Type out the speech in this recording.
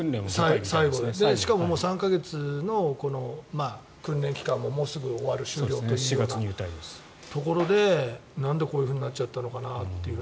しかも３か月の訓練期間ももうすぐ終わるというところでなんでこうなっちゃったのかなと。